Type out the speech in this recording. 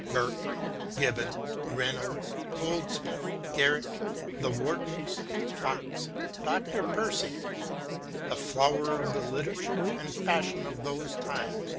Burke, Gibbon, Reynolds, Goldsmith, Garrick, the Wartons, Fox, Dr. Percy, the flower of the literature and fashion of those times.